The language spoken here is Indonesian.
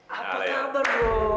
apa kabar bu